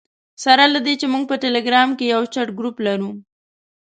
سره له دې چې موږ په ټلګرام کې یو چټ ګروپ لرو.